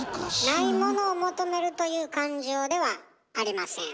ないものを求めるという感情ではありません。